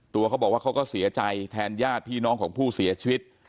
ตัวเขาบอกว่าเขาก็เสียใจแทนญาติพี่น้องของผู้เสียชีวิต